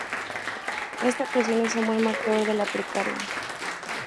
Esta presión es un buen marcador de la precarga.